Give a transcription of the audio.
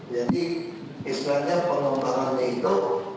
jadi istilahnya pengembangannya itu